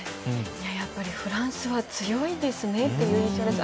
やっぱりフランスは強いですねっていう印象です。